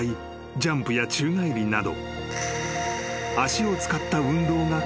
ジャンプや宙返りなど］